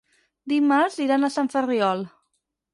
Dimarts iran a Sant Ferriol.